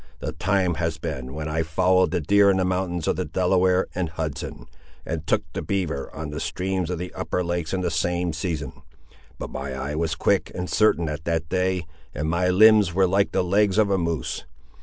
The time has been when I followed the deer in the mountains of the Delaware and Hudson, and took the beaver on the streams of the upper lakes in the same season, but my eye was quick and certain at that day, and my limbs were like the legs of a moose!